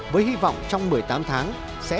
với hy vọng trong một mươi tám tháng sẽ